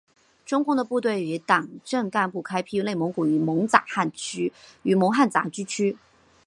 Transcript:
中共的部队与党政干部开辟内蒙古与蒙汉杂居区。